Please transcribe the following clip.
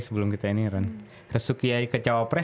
sebelum kita ini restu kiai ke jawa pres